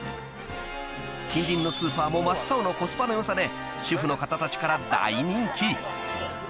［近隣のスーパーも真っ青のコスパの良さで主婦の方たちから］